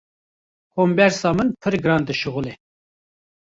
Kombersa min pir giran dişuxile.